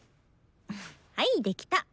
はいできた！